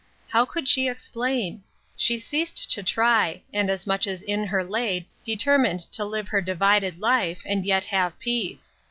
How could she explain ? She ceased to try ; and as much as in her lay determined to live her divided life, and yet have peace.